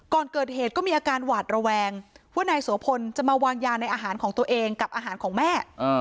ก่อนเกิดเหตุก็มีอาการหวาดระแวงว่านายโสพลจะมาวางยาในอาหารของตัวเองกับอาหารของแม่